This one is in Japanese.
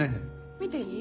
見ていい？